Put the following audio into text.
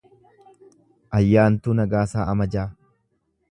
Ayyaantuu Nagasaa Amajjaa